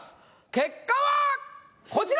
結果はこちら！